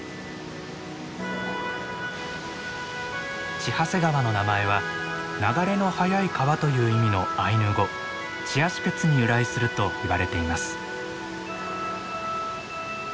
千走川の名前は「流れの速い川」という意味のアイヌ語「チアシ・ペツ」に由来するといわれています。